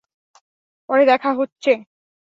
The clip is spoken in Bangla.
পরে দেখা হচ্ছে।